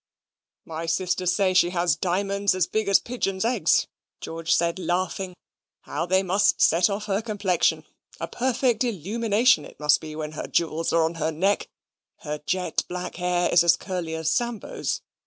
"My sisters say she has diamonds as big as pigeons' eggs," George said, laughing. "How they must set off her complexion! A perfect illumination it must be when her jewels are on her neck. Her jet black hair is as curly as Sambo's.